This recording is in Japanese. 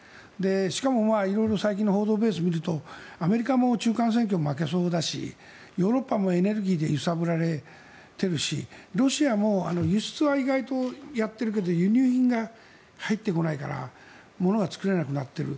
しかも、色々最近の報道ベースを見るとアメリカも中間選挙に負けそうだしヨーロッパもエネルギーで揺さぶられてるしロシアも輸出は意外とやっているけど輸入品が入ってこないから物が作れなくなっている。